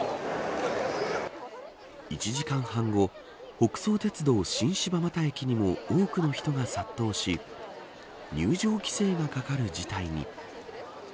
北総鉄道新柴又駅にも多くの人が殺到し入場規制がかかる事態に。